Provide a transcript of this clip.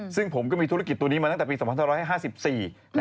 ซึ่งผมก็มีธุรกิจตัวนี้มาตั้งแต่ปี๒๕๕๔